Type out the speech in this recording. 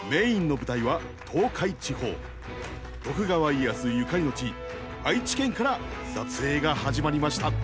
徳川家康ゆかりの地愛知県から撮影が始まりました。